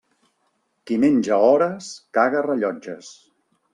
Qui menja hores, caga rellotges.